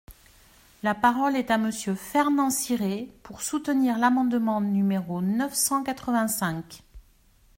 La parole est à Monsieur Fernand Siré, pour soutenir l’amendement numéro neuf cent quatre-vingt-cinq.